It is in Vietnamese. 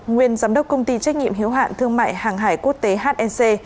nguyên giám đốc công ty trách nhiệm hiếu hạn thương mại hàng hải quốc tế hnc